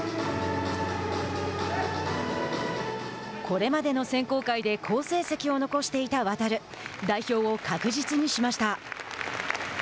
これまでの選考会で好成績を残していた航代表を確実にしました。